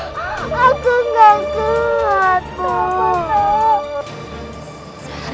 tak pernah ibu aku gak kuat ibu